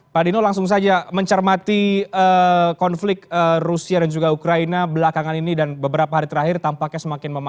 pak dino langsung saja mencermati konflik rusia dan juga ukraina belakangan ini dan beberapa hari terakhir tampaknya semakin memanas